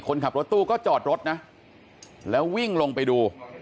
คนขับรถตู้ก็จอดรถนะแล้ววิ่งลงไปดู